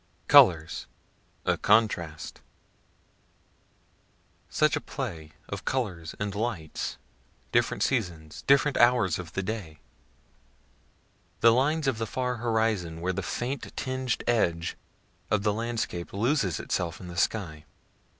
COLORS A CONTRAST Such a play of colors and lights, different seasons, different hours of the day the lines of the far horizon where the faint tinged edge of the landscape loses itself in the sky.